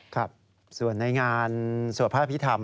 ครับส่วนในงานสวพพิธรรม